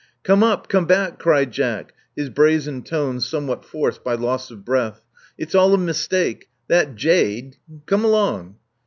"Come up — come back," cried Jack, his brazen tones somewhat forced by loss of breath. *'It*s all a mistake. That jade — come along.'